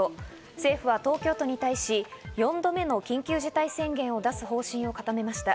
政府は東京都に対し４度目の緊急事態宣言を出す方針を固めました。